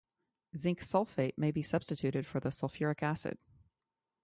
Zinc sulfate may be substituted for the sulfuric acid.